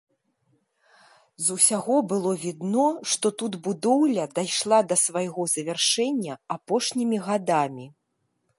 З усяго было відно, што тут будоўля дайшла да свайго завяршэння апошнімі гадамі.